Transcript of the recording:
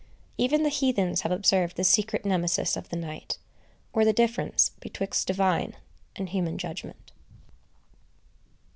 Even the heathens have observed this secret Nemesis of the night, or the difference betwixt divine and human judgment.